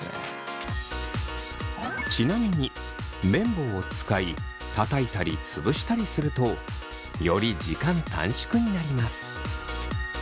ちなみにめん棒を使いたたいたりつぶしたりするとより時間短縮になります。